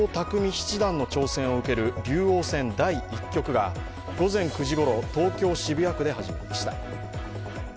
七段の挑戦を受ける竜王戦第１局が午前９時ごろ、東京・渋谷区で始まりました。